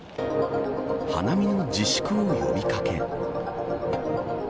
花見の自粛を呼び掛け。